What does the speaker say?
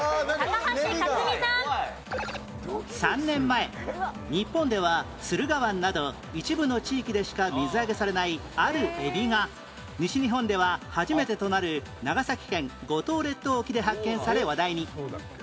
３年前日本では駿河湾など一部の地域でしか水揚げされないあるエビが西日本では初めてとなる長崎県五島列島沖で発見され話題に